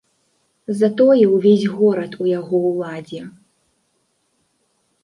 Затое ўвесь горад у яго ўладзе.